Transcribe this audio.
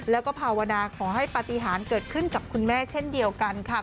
แล้วก็ภาวนาขอให้ปฏิหารเกิดขึ้นกับคุณแม่เช่นเดียวกันค่ะ